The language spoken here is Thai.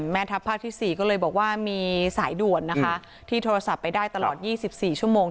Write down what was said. แม่ทัพภาคที่๔ก็เลยบอกว่ามีสายด่วนนะคะที่โทรศัพท์ไปได้ตลอด๒๔ชั่วโมง